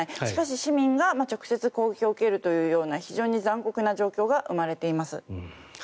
しかし、市民が直接攻撃を受けるというような非常に残酷な状況が生まれています。